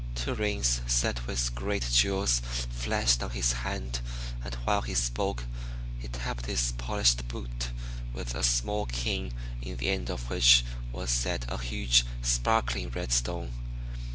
Two rings set with great jewels flashed on his hand and while he spoke, he tapped his polished boot with a small cane in the end of which was set a huge, sparkling red stone.